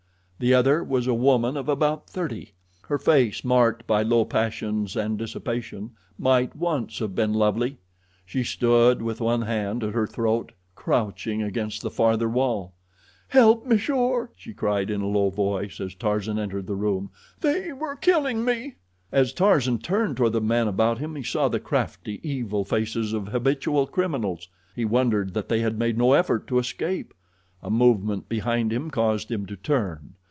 The other was a woman of about thirty. Her face, marked by low passions and dissipation, might once have been lovely. She stood with one hand at her throat, crouching against the farther wall. "Help, monsieur," she cried in a low voice as Tarzan entered the room; "they were killing me." As Tarzan turned toward the men about him he saw the crafty, evil faces of habitual criminals. He wondered that they had made no effort to escape. A movement behind him caused him to turn.